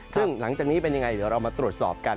ซึ่งหลังจากนี้เป็นยังไงเดี๋ยวเรามาตรวจสอบกัน